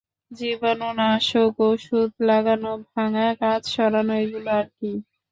জীবাণুনাশক ওষুধ লাগানো, ভাঙা কাঁচ সরানো এগুলো আর কি!